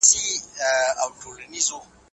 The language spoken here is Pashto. زما زوی اجمل، څو شپې مخکي